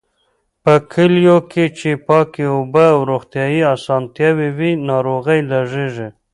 په کليو کې چې پاکې اوبه او روغتيايي اسانتیاوې وي، ناروغۍ لږېږي.